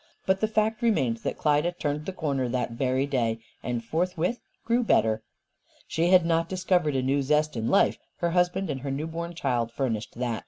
But the fact remained that Klyda "turned the corner," that very day, and forthwith grew better. She had not discovered a new zest in life. Her husband and her new born child furnished that.